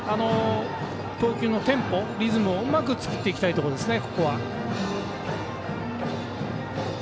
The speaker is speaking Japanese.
投球のテンポ、リズムをうまく作っていきたいところですね。